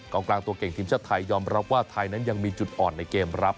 กลางกลางตัวเก่งทีมชาติไทยยอมรับว่าไทยนั้นยังมีจุดอ่อนในเกมรับ